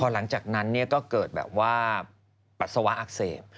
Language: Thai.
หลังจากนั้นก็เกิดแบบว่าปัสสาวะอักเสบ